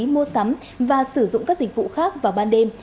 mua sắm và sử dụng các dịch vụ khác vào ban đêm